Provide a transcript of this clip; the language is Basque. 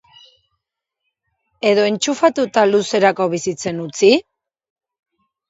Edo entxufatuta luzerako bizitzen utzi?